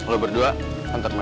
lo berdua antar mereka